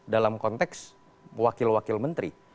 dalam konteks wakil wakil menteri